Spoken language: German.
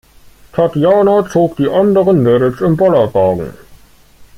Tatjana zog die anderen Mädels im Bollerwagen.